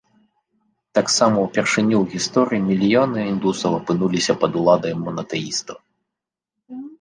Таксама ўпершыню ў гісторыі мільёны індусаў апынуліся пад уладай монатэістаў.